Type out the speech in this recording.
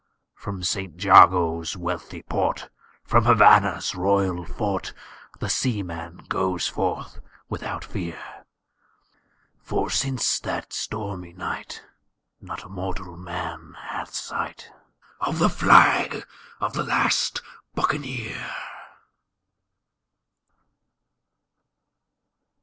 From St Jago's wealthy port, from Havannah's royal fort, The seaman goes forth without fear; For since that stormy night not a mortal hath had sight Of the flag of the last Buccaneer.